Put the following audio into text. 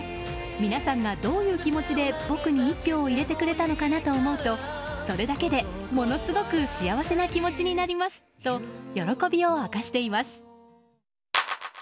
皆さんがどういう気持ちで僕に一票を入れてくれたのかなと思うとそれだけでものすごく幸せな気持ちになりますと喜びを明かしています。